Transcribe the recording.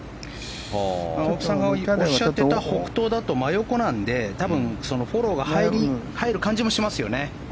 青木さんがおっしゃってた北東だと真横なので、多分フォローが入る感じもしますよね。